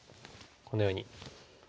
このように。